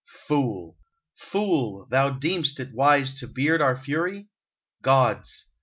.,. Fool ! fool ! Thou deem'st it wise to beard Our fury ?... Gods